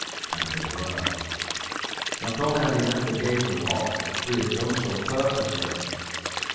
And they were. Not only had he left the gate unlocked, but he had done so purposely.